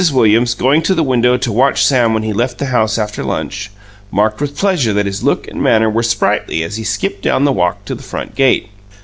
Williams, going to the window to watch Sam when he left the house after lunch, marked with pleasure that his look and manner were sprightly as he skipped down the walk to the front gate.